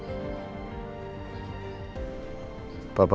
lebih baik papa gak